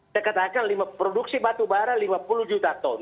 saya katakan produksi batu barak lima puluh juta ton